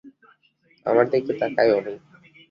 আমার দিকে তাকায়ওনি।